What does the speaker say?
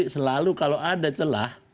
selalu kalau ada celah